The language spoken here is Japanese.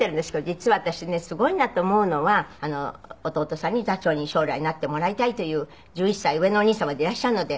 実は私ねすごいなと思うのは弟さんに座長に将来なってもらいたいという１１歳上のお兄様でいらっしゃるので。